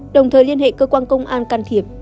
đồng thời liên hệ cơ quan công an can thiệp